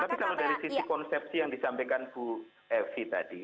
tapi kalau dari sisi konsepsi yang disampaikan bu evi tadi